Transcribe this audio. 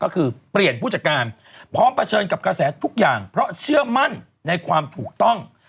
ก็คือเปลี่ยนผู้จัดการพร้อมเผชิญกับกระแสทุกอย่างเพราะเชื่อมั่นในความถูกต้อง